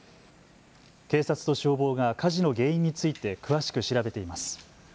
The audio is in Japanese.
警察と消防が火事の原因について詳しく調べています。